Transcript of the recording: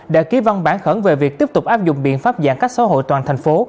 đã ký văn bản khẩn về việc tiếp tục áp dụng biện pháp giãn cách xã hội toàn thành phố